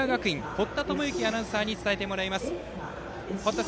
堀田智之アナウンサーに伝えてもらいます。